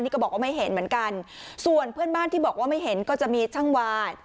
นี่ก็บอกว่าไม่เห็นเหมือนกันส่วนเพื่อนบ้านที่บอกว่าไม่เห็นก็จะมีช่างวา